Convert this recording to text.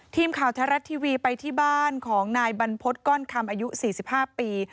ทีมข่าวแท้รัฐทีวีไปที่บ้านของนายบรรพฤษก้อนคำอายุ๔๕ปี